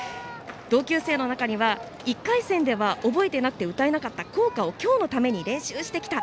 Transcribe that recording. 同級生の中には１回戦では覚えてなくて歌えなかった校歌を今日のために練習してきた。